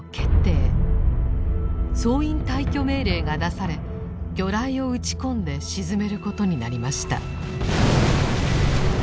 総員退去命令が出され魚雷を撃ち込んで沈めることになりました。